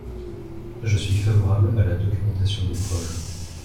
Je suis favorable à la documentation des preuves.